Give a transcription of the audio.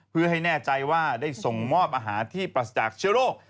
เพื่อให้แน่ใจว่าได้ส่งมอบอาหารที่ปรัสจากเชื้อโรค